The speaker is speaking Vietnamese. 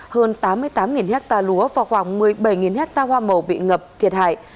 hơn tám mươi tám ha lúa và khoảng một mươi bảy ha hoa màu bị ngập thiệt hại